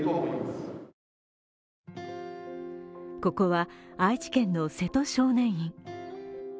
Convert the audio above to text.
ここは愛知県の瀬戸少年院。